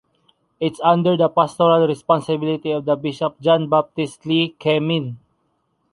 It’s under the pastoral responsibility of the bishop John Baptist Lee Keh-mien.